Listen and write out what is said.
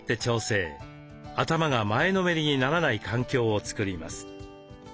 頭が前のめりにならない環境を作ります。